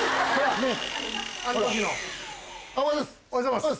おはようございます。